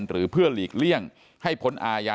หรือเพื่อหลีกเลี่ยงให้พ้นอาญา